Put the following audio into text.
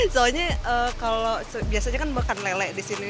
soalnya kalau biasanya kan makan lele disini